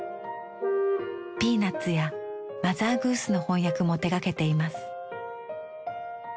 「ピーナッツ」や「マザー・グース」の翻訳も手がけています。